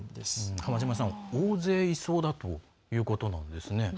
浜島さん、大勢いそうだということなんですね。